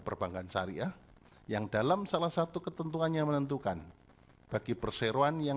perbankan syariah yang dalam salah satu ketentuan yang menentukan bagi perseroan yang